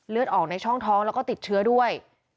เลือดออกในช่องท้องแล้วก็ติดเชื้อด้วย